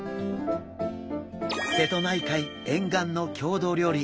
瀬戸内海沿岸の郷土料理